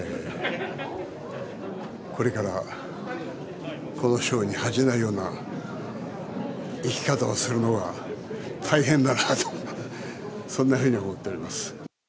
これからこの賞に恥じないような生き方をするのが大変だなと、そんなふうに思っております。